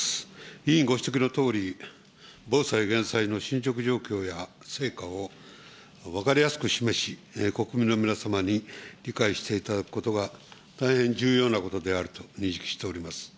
委員ご指摘のとおり、防災・減災の進捗状況や成果を分かりやすく示し、国民の皆様に理解していただくことが大変重要なことであると認識しています。